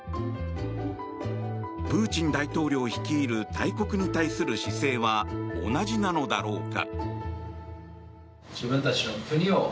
プーチン大統領率いる大国に対する姿勢は同じなのだろうか。